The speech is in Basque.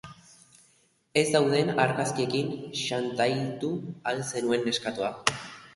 Ez dauden argazkiekin xantaiatu al zenuen neskatoa?